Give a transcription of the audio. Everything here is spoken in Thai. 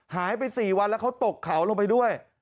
หายไป๔วันแล้วเขาตกเขาลงไปด้วย